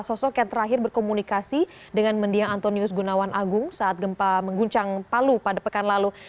sosok yang terakhir berkomunikasi dengan mendiang antonius gunawan agung saat gempa mengguncang palu pada pekan lalu